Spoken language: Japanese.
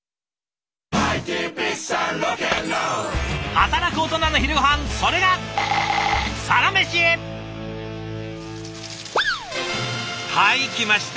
働くオトナの昼ごはんそれがはい来ました。